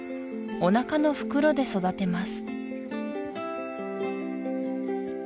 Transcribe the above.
おなかの袋で育てます